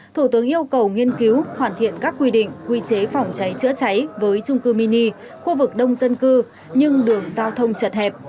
thủ tướng yêu cầu nghiên cứu hoàn thiện các quy định quy chế phòng cháy chữa cháy với trung cư mini khu vực đông dân cư nhưng đường giao thông chật hẹp